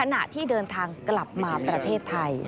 ขณะที่เดินทางกลับมาประเทศไทย